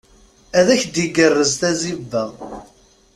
Ad ak-d-igerrez tazziba.